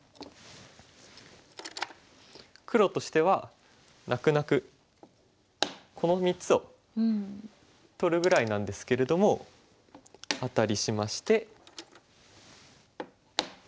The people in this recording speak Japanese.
黒としては泣く泣くこの３つを取るぐらいなんですけれどもアタリしまして。